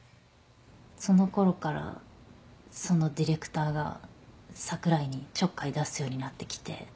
そのころからそのディレクターが櫻井にちょっかい出すようになってきて。